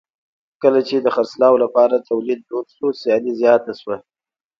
کله چې د خرڅلاو لپاره تولید دود شو سیالي زیاته شوه.